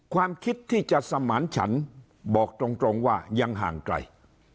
ความคิดที่จะสมานฉันบอกตรงว่ายังห่างไกล